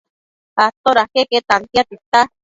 Atoda queque tantia tita